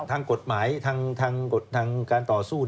ทางกฎหมายทางการต่อสู้